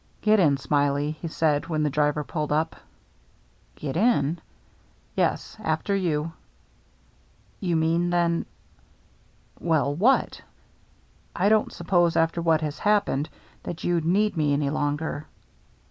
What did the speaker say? " Get in. Smiley," he said, when the driver pulled up. "Get in?" "Yes — after you." "You mean, then —" "Well, what?" " I didn't suppose after what has happened that you'd need me any longer."